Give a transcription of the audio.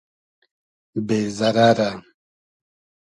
بې زئرئرۂ